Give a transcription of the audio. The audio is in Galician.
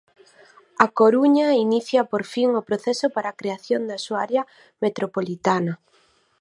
A Coruña inicia por fin o proceso para a creación da súa área metropolitana.